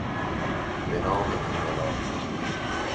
به نام انقلاب